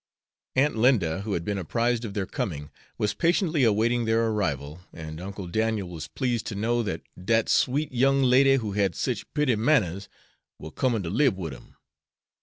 Aunt Linda, who had been apprised of their coming, was patiently awaiting their arrival, and Uncle Daniel was pleased to know that "dat sweet young lady who had sich putty manners war comin' to lib wid dem."